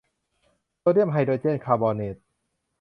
โซเดียมไฮโดรเจนคาร์บอเนต